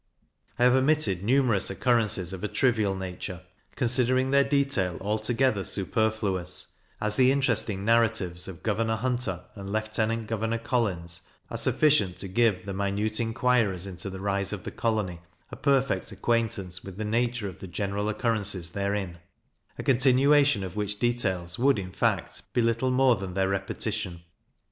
I have omitted numerous occurrences of a trivial nature, considering their detail altogether superfluous, as the interesting narratives of Governor Hunter and Lieutenant Governor Collins, are sufficient to give the minute inquirers into the rise of the colony a perfect acquaintance with the nature of the general occurrences therein; a continuation of which details would, in fact, be little more than their repetition.